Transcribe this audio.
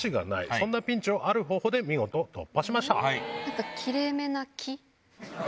そんなピンチをある方法で見事突破しました。